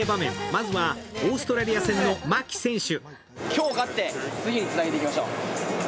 まずはオーストラリア戦の牧選手。